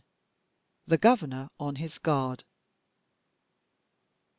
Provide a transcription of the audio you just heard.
THE GOVERNOR ON HIS GUARD.